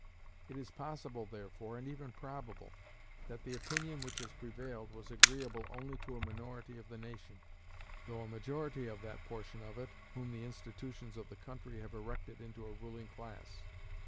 It is possible, therefore, and even probable, that the opinion which has prevailed was agreeable only to a minority of the nation, though a majority of that portion of it whom the institutions of the country have erected into a ruling class.